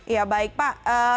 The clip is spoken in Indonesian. ya baik pak